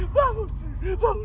bangun pilih bangun